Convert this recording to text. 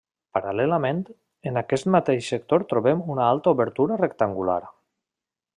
Paral·lelament, en aquest mateix sector trobem una altra obertura rectangular.